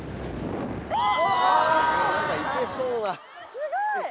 すごい！